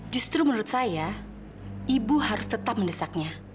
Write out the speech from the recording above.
justru menurut saya ibu harus tetap mendesaknya